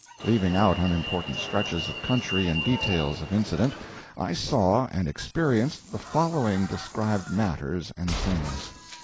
Leaving out unimportant stretches of country and details of incident, I saw and experienced the following described matters and things.